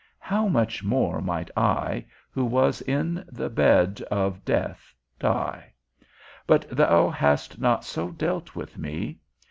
How much more might I, who was in the bed of death, die? But thou hast not so dealt with me.